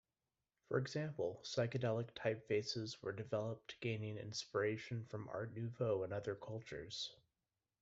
For example, psychedelic typefaces were developed gaining inspiration from Art Nouveau and other cultures.